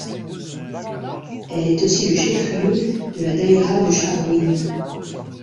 Elle est aussi le chef-lieu de la daïra de Charouine.